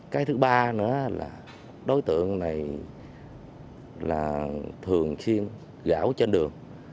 cái thứ ba nữa là đối tượng này là thường xuyên gão trên đường